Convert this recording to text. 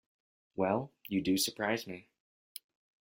Well, you do surprise me!